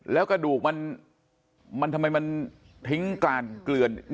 แล้วกระดูกมันทำไมมันทิ้งกลานเกลือน